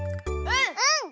うん！